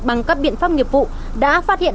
bằng các biện pháp nghiệp vụ đã phát hiện